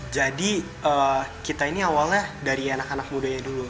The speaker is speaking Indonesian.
jadi kita ini awalnya dari anak anak mudanya dulu